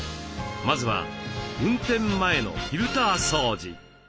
まずは運転前のフィルター掃除。